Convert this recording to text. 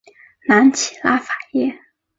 南起拉法叶。